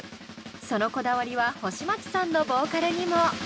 そのこだわりは星街さんのボーカルにも。